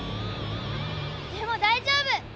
でも大丈夫！